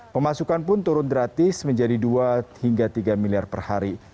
pemasukan pun turun gratis menjadi dua hingga tiga miliar per hari